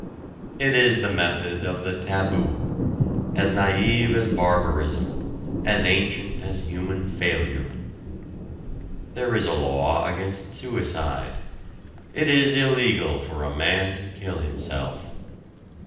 It is the method of the taboo, as naïve as barbarism, as ancient as human failure. There is a law against suicide. It is illegal for a man to kill himself.